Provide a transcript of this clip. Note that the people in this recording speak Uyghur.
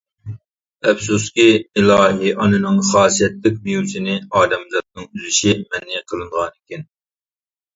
ئەپسۇسكى ئىلاھىي ئانىنىڭ خاسىيەتلىك مېۋىسىنى ئادەمزاتنىڭ ئۈزۈشى مەنئى قىلىنغانىكەن.